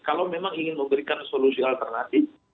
kalau memang ingin memberikan solusi alternatif